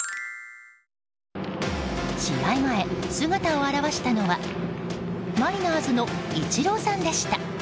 試合前、姿を現したのはマリナーズのイチローさんでした。